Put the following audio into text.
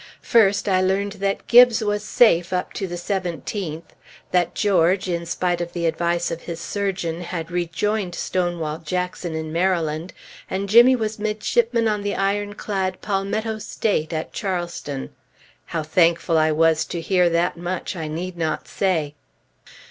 First I learned that Gibbes was safe up to the 17th; that George, in spite of the advice of his surgeon, had rejoined Stonewall Jackson in Maryland; and Jimmy was midshipman on the ironclad Palmetto State at Charleston. How thankful I was to hear that much, I need not say.